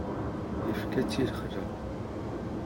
Ifka-tt i lexla.